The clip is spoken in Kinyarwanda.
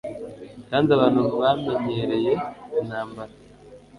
kandi abantu bamenyereye intambara